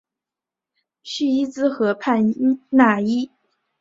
叙伊兹河畔讷伊。